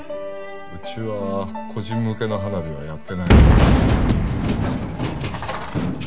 うちは個人向けの花火はやってないので。